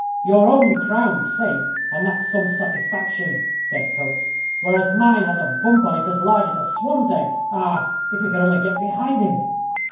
"Your own crown's safe, and that's some satisfaction," said Coates; "whereas mine has a bump on it as large as a swan's egg. Ah! if we could only get behind him."